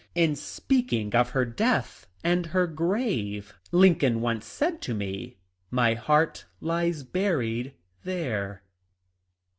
In speaking of her death and her grave Lincoln once said to me, ' My heart lies buried there.'